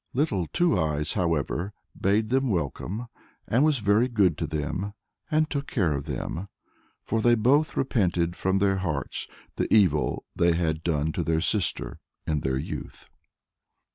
Little Two Eyes, however, bade them welcome, and was very good to them, and took care of them; for they both repented from their hearts the evil they had done to their sister in their youth.